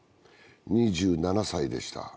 ２７歳でした。